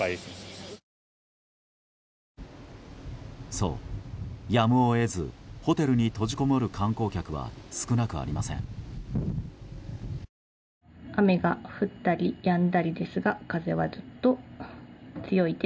そう、やむを得ずホテルに閉じこもる観光客は少なくありません。